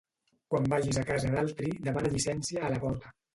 Quan vagis a casa d'altri demana llicència a la porta.